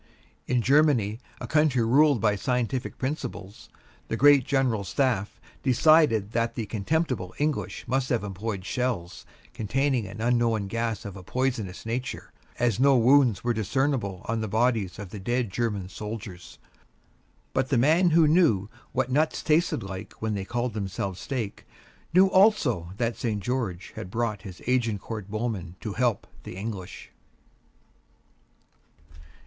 In Germany, a country ruled by scientific principles, the Great General Staff decided that the contemptible English must have employed shells containing an unknown gas of a poisonous nature, as no wounds were discernible on the bodies of the dead German soldiers. But the man who knew what nuts tasted like when they called themselves steak knew also that St. George had brought his Agincourt Bowmen to help the English.